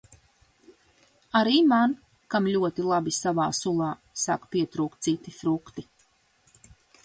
Arī man, kam ļoti labi savā sulā, sāk pietrūkt citi frukti.